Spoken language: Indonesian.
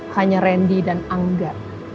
hanya randy dan angga